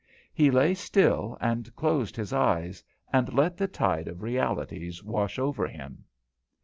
He lay still and closed his eyes and let the tide of realities wash over him.